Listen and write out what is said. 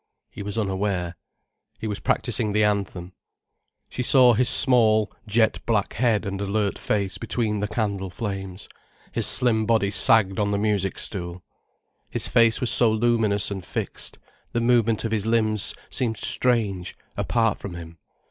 He was unaware. He was practicing the anthem. She saw his small, jet black head and alert face between the candle flames, his slim body sagged on the music stool. His face was so luminous and fixed, the movements of his limbs seemed strange, apart from him.